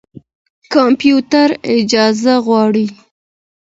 کمپيوټر اجازه غواړي.